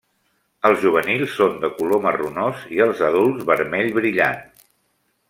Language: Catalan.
Els juvenils són de color marronós i els adults vermell brillant.